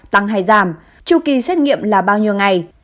tăng hay giảm tru kỳ xét nghiệm là bao nhiêu ngày